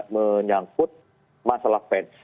menyangkut masalah pen